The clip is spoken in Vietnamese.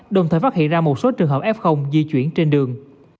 đồng thời phát hiện ra một số trường hợp f di chuyển trên đường